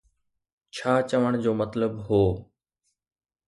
ڇا چوڻ جو مطلب هو.